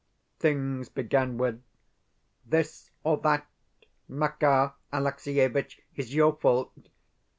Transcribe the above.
Things began with "this or that, Makar Alexievitch, is your fault."